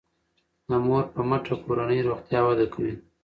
د مور په مټه کورنی روغتیا وده کوي.